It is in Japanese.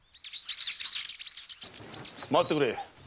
待ってくれ。